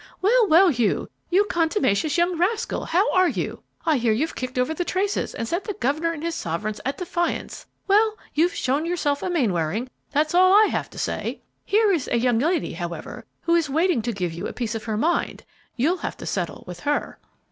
"Well, well, Hugh, you contumacious young rascal! how are you? I hear you've kicked over the traces and set the governor and his sovereigns at defiance! Well, you've shown yourself a Mainwaring, that's all I have to say! Here is a young lady, however, who is waiting to give you a piece of her mind; you'll have to settle with her."